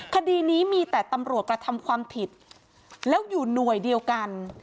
คดีนี้มีแต่ตำรวจกระทำความผิดแล้วอยู่หน่วยเดียวกัน